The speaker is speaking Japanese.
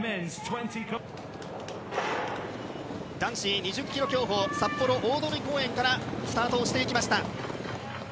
男子２０ｋｍ競歩札幌大通公園からスタートしていきました。